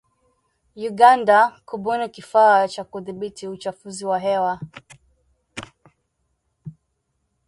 Uganda kubuni kifaa cha kudhibiti uchafuzi wa hewa.